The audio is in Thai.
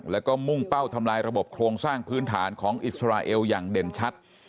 แล้วก็มุ่งเป้าทำลายระบบโครงสร้างพื้นฐานของอิสราเอลอย่างเด่นชัด